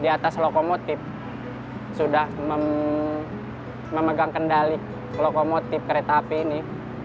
di atas lokomotif sudah memegang kendali lokomotif kereta api ini